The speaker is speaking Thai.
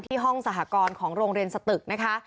ห้องสหกรณ์ของโรงเรียนสตึกนะคะ